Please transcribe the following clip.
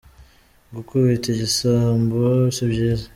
gukubita igisambo sibyiza.